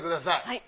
はい。